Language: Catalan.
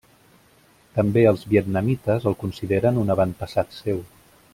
També els vietnamites el consideren un avantpassat seu.